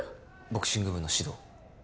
ボクシング部の指導。